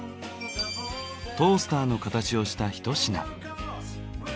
トースターの形をしたひと品。